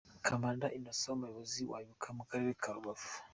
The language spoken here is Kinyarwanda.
Kabanda Innocent umuyobozi wa Ibuka mu Karere ka Rubavu.